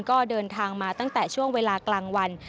ก็เดินทางมาตั้งแต่ช่วงเวลากลางวัน